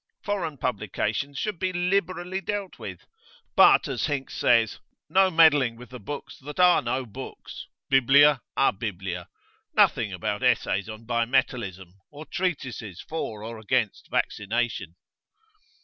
Foreign publications should be liberally dealt with. But, as Hinks says, no meddling with the books that are no books biblia abiblia; nothing about essays on bimetallism and treatises for or against vaccination.